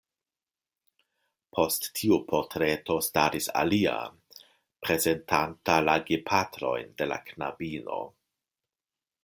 Post tiu portreto staris alia, prezentanta la gepatrojn de la knabino.